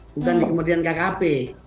bukan di kemudian kkp